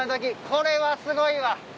これはすごいわ。